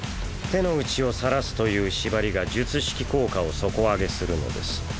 手の内をさらすという縛りが術式効果を底上げするのです。